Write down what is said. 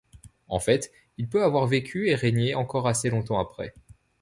En fait il peut avoir vécu et régner encore assez longtemps après.